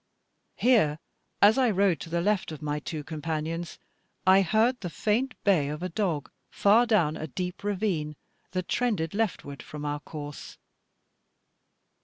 Here as I rode to the left of my two companions, I heard the faint bay of a dog far down a deep ravine, that trended leftward from our course.